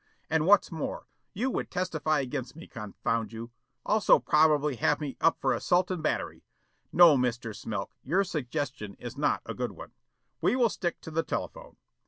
And what's more, you would testify against me, confound you. Also probably have me up for assault and battery. No, Mr. Smilk, your suggestion is not a good one. We will stick to the telephone.